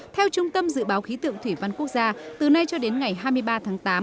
theo trung tâm dự báo khí tượng thủy văn quốc gia từ nay cho đến ngày hai mươi ba tháng tám